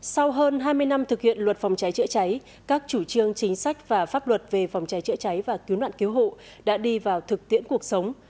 sau hơn hai mươi năm thực hiện luật phòng cháy chữa cháy các chủ trương chính sách và pháp luật về phòng cháy chữa cháy và cứu nạn cứu hộ đã đi vào thực tiễn cuộc sống